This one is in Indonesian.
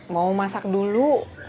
gue mau masak dulu